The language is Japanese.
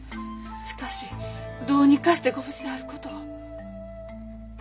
しかしどうにかしてご無事であることを。